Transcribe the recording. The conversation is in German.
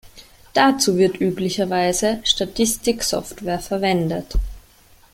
Dazu wird üblicherweise Statistik-Software verwendet.